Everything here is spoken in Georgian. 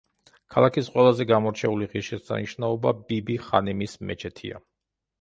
ქალაქის ყველაზე გამორჩეული ღირსშესანიშნაობა ბიბი-ხანიმის მეჩეთია.